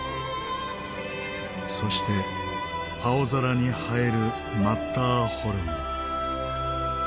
そして青空に映えるマッターホルン。